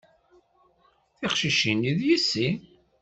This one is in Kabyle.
Tiqcicin-nni, d yessi.